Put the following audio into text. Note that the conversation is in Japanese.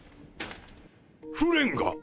フレンが！？